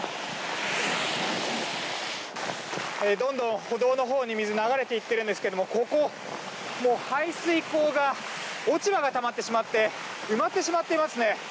どんどん歩道のほうに水が流れていってるんですけども排水溝が落ち葉がたまってしまって埋まってしまっていますね。